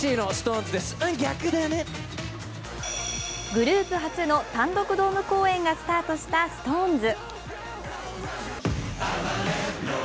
グループ初の単独ドーム公演がスタートしたＳｉｘＴＯＮＥＳ。